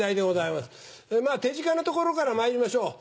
まぁ手近なところからまいりましょう。